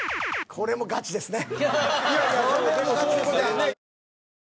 これもガチですね。